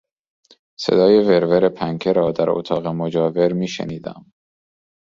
صدای ور ور پنکه را در اتاق مجاور میشنیدم.